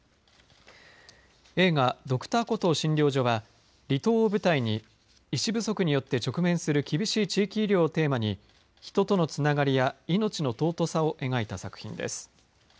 映画Ｄｒ．コトー診療所は離島を舞台に医師不足によって直面する厳しい地域医療をテーマに人とのつながりや命の尊さを描いた作品です。